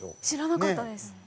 知らなかったです。